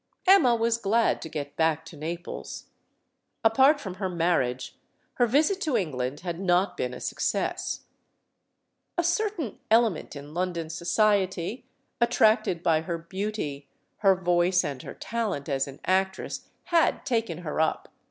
Emma was glad to get back to Naples. Apart from her marriage, her visit to England had not been a suc cess. A certain element in London society, attracted by her beauty, her voice, and her talent as an actress, had taken her up.